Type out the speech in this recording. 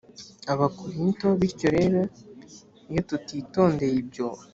abakorinto bityo rero iyo tutitondeye ibyo